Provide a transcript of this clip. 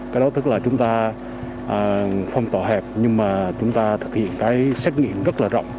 cái đó tức là chúng ta phong tỏa hẹp nhưng mà chúng ta thực hiện cái xét nghiệm rất là rộng